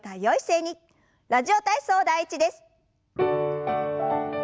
「ラジオ体操第１」です。